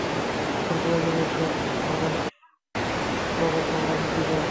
তোর প্রয়োজনীয় সব খবরাখবর আমি দিব।